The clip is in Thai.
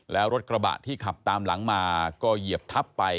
แล้วรถกระบะที่ขับตามหลังมาก็เหยียบทับไป